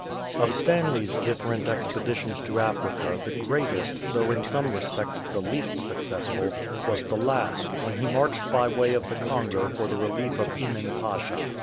OF Stanley's different expeditions to Africa the greatest, though in some respects the least successful, was the last, when he marched by way of the Congo for the relief of Emin Pasha.